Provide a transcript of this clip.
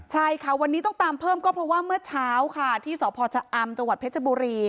ใช่ค่ะวันนี้ต้องตามเพิ่มก็เพราะว่าเมื่อเช้าค่ะที่สพชะอำจังหวัดเพชรบุรี